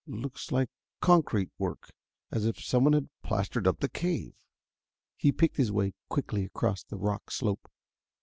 Looks like concrete work, as if someone had plastered up the cave." He picked his way quickly across the rock slope.